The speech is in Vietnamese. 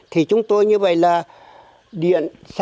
thì chúng tôi như vậy là điện